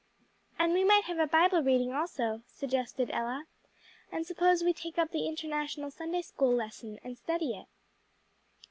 "And we might have a Bible reading also," suggested Ella. "And suppose we take up the International Sunday school Lesson and study it."